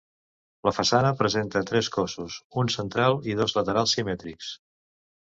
La façana presenta tres cossos, un central i dos laterals simètrics.